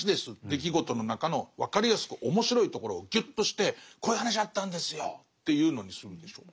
出来事の中の分かりやすく面白いところをギュッとしてこういう話あったんですよっていうのにするんでしょ。